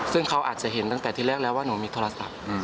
ซึ่งเขาอาจจะเห็นตั้งแต่ที่แรกแล้วว่าหนูมีโทรศัพท์